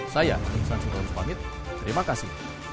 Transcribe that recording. saya pak niel sanjur roms pamit terima kasih